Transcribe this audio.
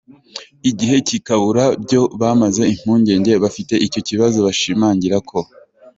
igihe kikabura byo bamaze impungenge abafite icyo kibazo bashimangira ko